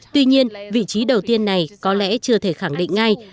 tuy nhiên vị trí đầu tiên này có lẽ chưa thể khẳng định ngay